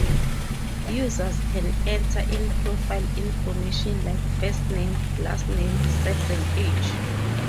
Users can enter in profile information like first name, last name, sex, and age.